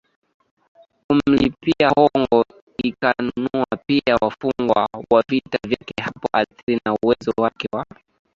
kumlipia hongo ikanunua pia wafungwa wa vita vyake Hapo athiri na uwezo wake wa